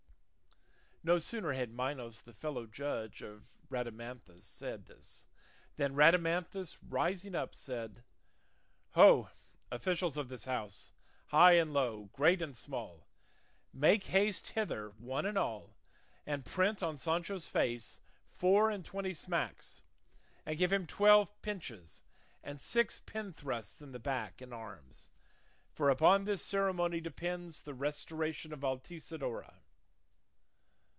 No sooner had Minos the fellow judge of Rhadamanthus said this, than Rhadamanthus rising up said: "Ho, officials of this house, high and low, great and small, make haste hither one and all, and print on Sancho's face four and twenty smacks, and give him twelve pinches and six pin thrusts in the back and arms; for upon this ceremony depends the restoration of Altisidora."